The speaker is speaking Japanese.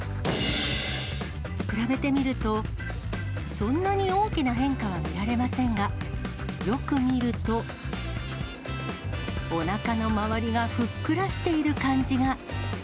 比べてみると、そんなに大きな変化は見られませんが、よく見ると、おなかの周りがふっくらしている感じが。